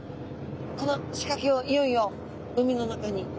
この仕かけをいよいよ海の中に。